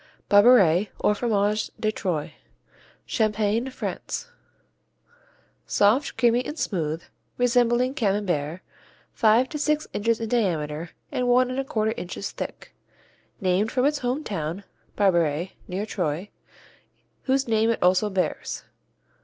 Barberey, or Fromage de Troyes Champagne, France Soft, creamy and smooth, resembling Camembert, five to six inches in diameter and 1 1/4 inches thick. Named from its home town, Barberey, near Troyes, whose name it also bears.